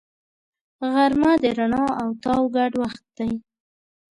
غرمه د رڼا او تاو ګډ وخت دی